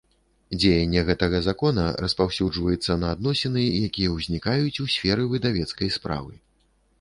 Дзеянне гэтага Закона распаўсюджваецца на адносiны, якiя ўзнiкаюць у сферы выдавецкай справы.